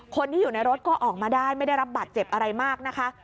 คนที่อยู่ในรถก็ออกมาได้ไม่ได้รับบาดเจ็บอะไรมากนะคะ